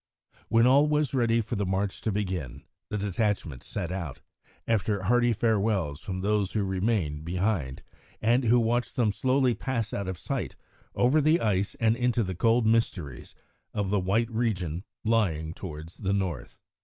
When all was ready for the march to begin, the detachments set out, after hearty farewells from those who remained behind, and who watched them slowly pass out of sight over the ice and into the cold mysteries of the white region lying towards the north.